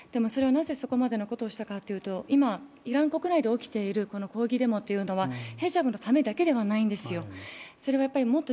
でもなぜそこまでのことをしたかというと、今、イラン国内で起きている抗議デモはヘジャブのためだけではないんですよ。